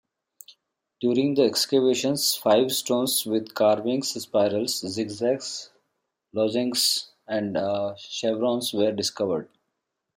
During the excavations five stones with carvings-spirals, zig-zags, lozenges and chevrons-were discovered.